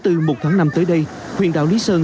một tháng năm tới đây huyện đảo lý sơn